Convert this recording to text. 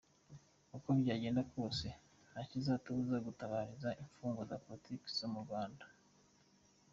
Uko byagenda kose nta kizatubuza gutabariza imfungwa za politiki zo mu Rwanda.